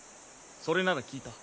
それなら聞いた。